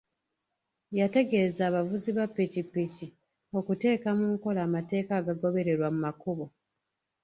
Yategeeza abavuzi ba pikipiki okuteeka mu nkola amateeka agagobererwa ku makubo.